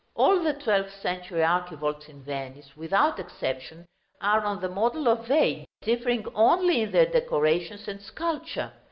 All the twelfth century archivolts in Venice, without exception, are on the model of a, differing only in their decorations and sculpture.